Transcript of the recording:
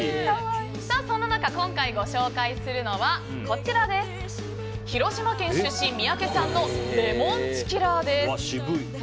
そんな中、今回ご紹介するのが広島県出身、三宅さんのレモンチキラーです。